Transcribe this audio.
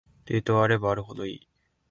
データはあればあるほどいい